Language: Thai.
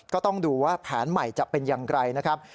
ก็ต้องดูว่าแผนใหม่จะเป็นอย่างไรนะครับ